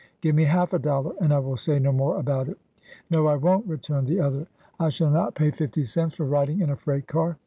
" Give me half a dollar, and I will say no more about it" " No, I won %" returned the other; "I shall not pay fifty cents for riding in a freight car."